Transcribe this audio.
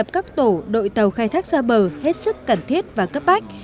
các tổ đội tàu khai thác xa bờ hết sức cần thiết và cấp bách